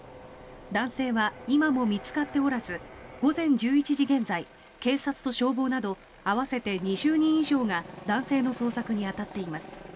男性は今も見つかっておらず午前１１時現在警察と消防など合わせて２０人以上が男性の捜索に当たっています。